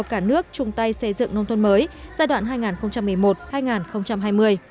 cả nước chung tay xây dựng nông thôn mới giai đoạn hai nghìn một mươi một hai nghìn hai mươi